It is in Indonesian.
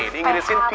diinget di sini php